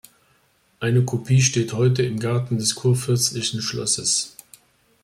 Eine Kopie steht heute im Garten des Kurfürstlichen Schlosses.